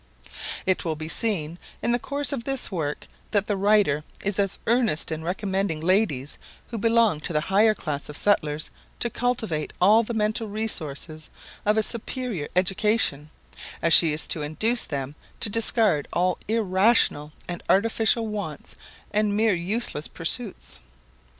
It will be seen, in the course of this work, that the writer is as earnest in recommending ladies who belong to the higher class of settlers to cultivate all the mental resources of a superior education, as she is to induce them to discard all irrational and artificial wants and mere useless pursuits.